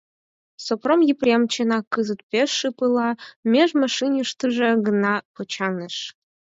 Сопром Епрем, чынак, кызыт пеш шып ила, меж машиныштыже гына почаҥеш.